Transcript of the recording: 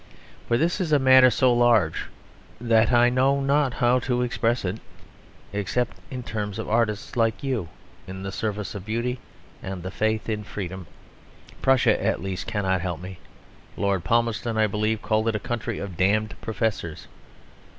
For this is a matter so large that I know not how to express it except in terms of artists like you, in the service of beauty and the faith in freedom. Prussia, at least cannot help me; Lord Palmerston, I believe, called it a country of damned professors.